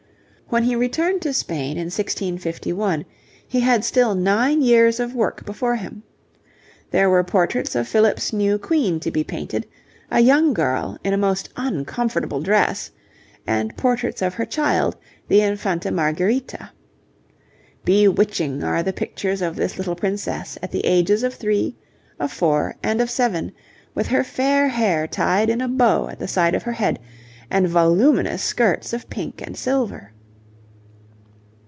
When he returned to Spain in 1651 he had still nine years of work before him. There were portraits of Philip's new Queen to be painted a young girl in a most uncomfortable dress and portraits of her child, the Infanta Marguerita. Bewitching are the pictures of this little princess at the ages of three, of four, and of seven, with her fair hair tied in a bow at the side of her head, and voluminous skirts of pink and silver.